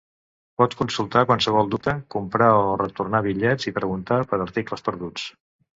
Pot consultar qualsevol dubte, comprar o retornar bitllets, i preguntar per articles perduts.